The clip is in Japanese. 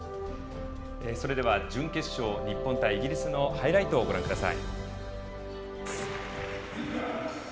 それでは準決勝日本対イギリスのハイライトをご覧ください。